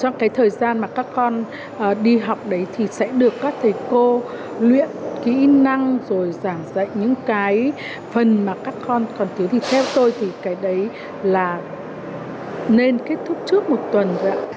trong cái thời gian mà các con đi học đấy thì sẽ được các thầy cô luyện kỹ năng rồi giảng dạy những cái phần mà các con còn thiếu thì theo tôi thì cái đấy là nên kết thúc trước một tuần rồi ạ